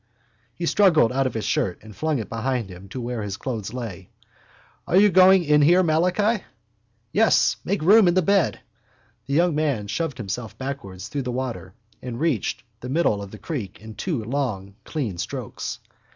He struggled out of his shirt and flung it behind him to where his clothes lay. —Are you going in here, Malachi? —Yes. Make room in the bed. The young man shoved himself backward through the water and reached the middle of the creek in two long clean strokes.